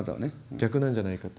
逆なんじゃないかと。